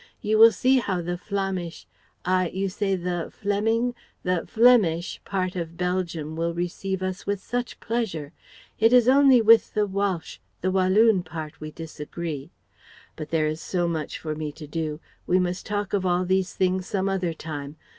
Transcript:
You will see how the Flämisch Ah, you say the Fleming? the Flemish part of Belgium will receive us with such pleasure. It is only with the Wälsch, the Wallon part we disagree.... But there is so much for me to do we must talk of all these things some other time.